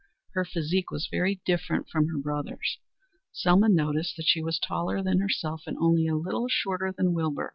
Her physique was very different from her brother's. Selma noticed that she was taller than herself and only a little shorter than Wilbur.